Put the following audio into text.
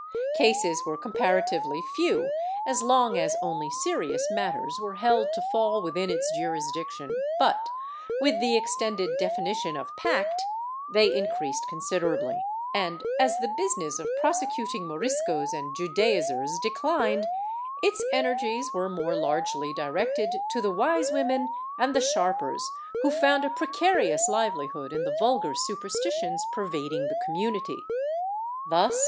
Cases were compara tively few as long as only serious matters were held to fall within its jurisdiction but, with the extended definition of pact, they increased considerably and, as the business of prosecuting Moriscos and Judaizers declined, its energies were more largely directed to the wise women and the sharpers who found a precarious liveli ^ Proceso contra Rosa Conejos (MS. penes me). * Archivo de Simancas, Inq., Lib. 890. ' Archivo hist, nacional, Inq.